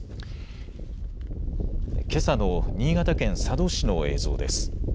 けさの新潟県佐渡市の映像です。